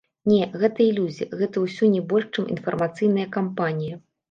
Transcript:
Не, гэта ілюзія, гэта ўсё не больш чым інфармацыйная кампанія.